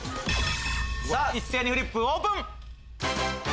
一斉にフリップオープン！